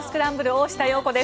大下容子です。